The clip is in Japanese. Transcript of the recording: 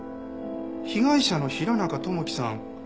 被害者の平中智樹さん